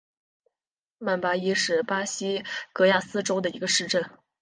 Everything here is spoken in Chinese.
曼巴伊是巴西戈亚斯州的一个市镇。